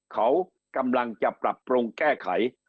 เขากำลังจะปรับปรุงแก้ไข